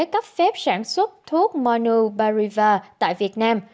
cấp phép sản xuất thuốc monubiravir tại việt nam